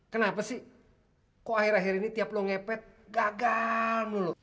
kenapa sih kok akhir akhir ini tiap lo ngepet gagal mulu